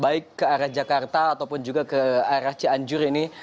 baik ke arah jakarta ataupun juga ke arah cianjur ini